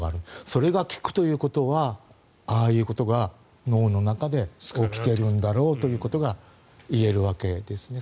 それが効くということはああいうことが脳の中で起きているんだろうということが言えるわけですね。